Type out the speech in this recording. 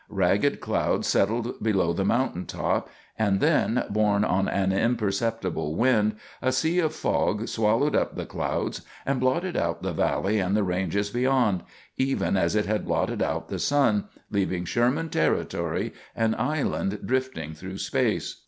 Ragged clouds settled below the mountain top, and then, borne on an imperceptible wind, a sea of fog swallowed up the clouds and blotted out the valley and the ranges beyond, even as it had blotted out the sun, leaving Sherman Territory an island drifting through space.